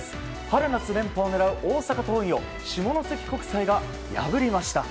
春夏連覇を狙う大阪桐蔭を下関国際が破りました。